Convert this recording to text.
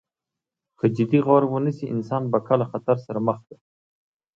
که جدي غور ونشي انساني بقا له خطر سره مخ ده.